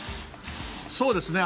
そうですね。